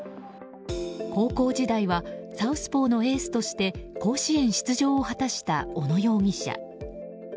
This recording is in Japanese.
高校時代はサウスポーのエースとして甲子園出場を果たした小野容疑者。